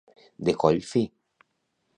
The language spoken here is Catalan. De coll fi.